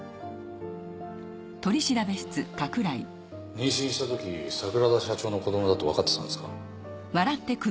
妊娠したとき桜田社長の子どもだとわかってたんですか？